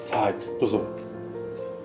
どうぞ。